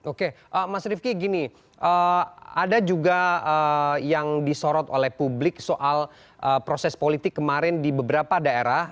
oke mas rifki gini ada juga yang disorot oleh publik soal proses politik kemarin di beberapa daerah